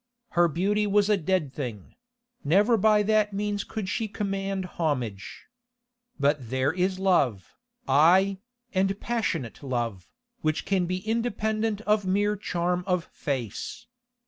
Her beauty was a dead thing; never by that means could she command homage. But there is love, ay, and passionate love, which can be independent of mere charm of face.